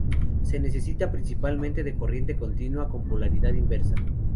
Se necesita principalmente de corriente continua con polaridad inversa.